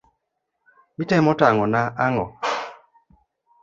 Itemo tang'o na ang'o?